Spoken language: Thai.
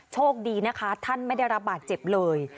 โชคดีนะคะท่านไม่ได้รับบาดเจ็บเลย